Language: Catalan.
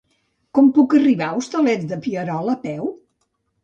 Com puc arribar als Hostalets de Pierola a peu?